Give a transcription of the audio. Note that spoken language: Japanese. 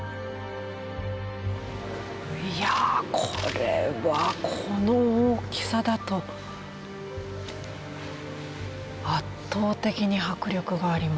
いやこれはこの大きさだと圧倒的に迫力があります。